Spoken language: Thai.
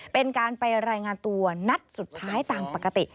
เป็นการไปรายงานตัวนัดสุดท้ายตามปกติ